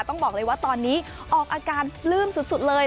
ต้องบอกเลยว่าตอนนี้ออกอาการปลื้มสุดเลย